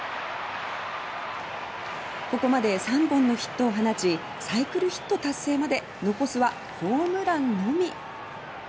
ここまで３本のヒットを放ちサイクルヒット達成まで残すはホームランのみ。